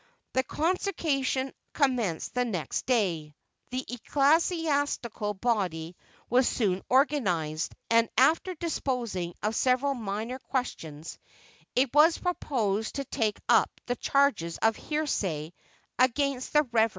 The Consociation commenced the next day. This ecclesiastical body was soon organized, and, after disposing of several minor questions, it was proposed to take up the charges of heresy against the Rev. Mr.